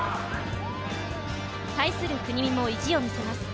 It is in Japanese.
対する国見も意地を見せます。